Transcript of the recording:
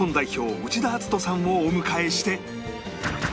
内田篤人さんをお迎えして